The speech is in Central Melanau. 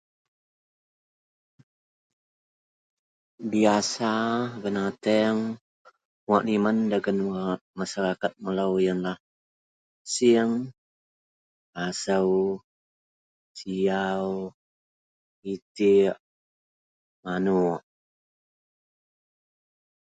Biasa binatang wak niman dagen masyarakat melo ialah sieng, asu, siaw, itik ,manok.